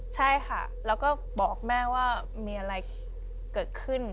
ใช่ค่ะแล้วก็บอกแม่ว่ามีอะไรเกิดขึ้น